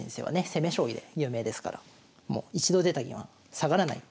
攻め将棋で有名ですから一度出た銀は下がらない。